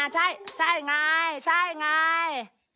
ใช่ไงใช่ไง